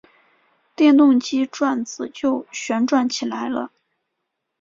电动机转子就旋转起来了。